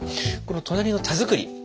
この隣の田作り。